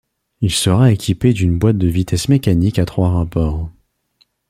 Il sera équipé d'une boite de vitesses mécanique à trois rapports.